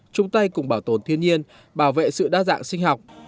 chung tay cùng bảo tồn thiên nhiên bảo vệ sự đa dạng sinh học